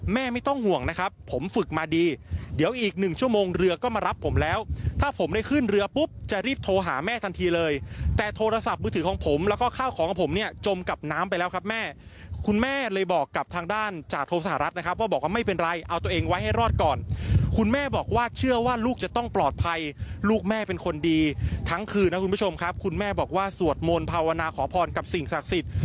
เลยแต่โทรศัพท์มือถือของผมแล้วก็ข้าวของผมเนี่ยจมกับน้ำไปแล้วครับแม่คุณแม่เลยบอกกับทางด้านจากโทสหรัฐนะครับว่าบอกว่าไม่เป็นไรเอาตัวเองไว้ให้รอดก่อนคุณแม่บอกว่าเชื่อว่าลูกจะต้องปลอดภัยลูกแม่เป็นคนดีทั้งคืนนะคุณผู้ชมครับคุณแม่บอกว่าสวดมนต์ภาวนาขอพรกับสิ่งศักดิ์